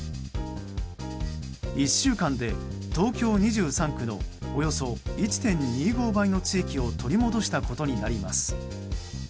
１週間で東京２３区のおよそ１．２５倍の地域を取り戻したことになります。